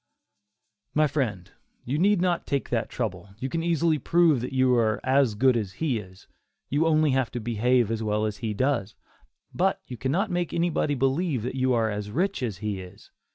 My friend, you need not take that trouble, you can easily prove that you are "as good as he is"; you have only to behave as well as he does, but you cannot make anybody believe that you are as rich as he is.